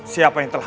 siapa yang telah